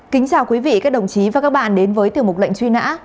kính chào quý vị các đồng chí và các bạn đến với tiểu mục lệnh truy nã